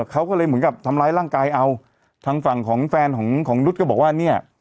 เขาก็เลยเหมือนกับทำร้ายร่างกายเอาทางฝั่งของแฟนของของนุษย์ก็บอกว่าเนี่ย